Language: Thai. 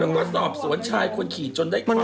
แล้วก็สอบสวนชายคนขี่จนได้ความ